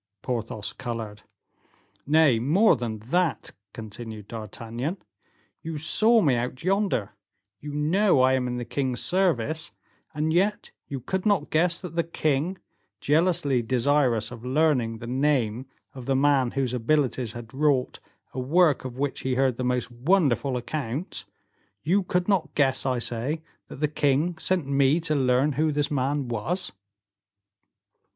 Porthos colored. "Nay, more than that," continued D'Artagnan, "you saw me out yonder, you know I am in the king's service, and yet you could not guess that the king, jealously desirous of learning the name of the man whose abilities had wrought a work of which he heard the most wonderful accounts, you could not guess, I say, that the king sent me to learn who this man was?"